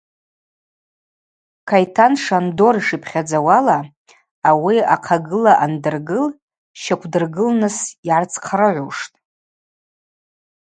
Кайтан Шандор йшипхьадзауала, ауи ахъагыла андыргыл щаквдыргылныс йгӏарцхърагӏуштӏ.